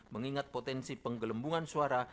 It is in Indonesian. mengingat potensi penggelembungan suara